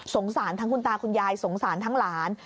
สารทั้งคุณตาคุณยายสงสารทั้งหลาน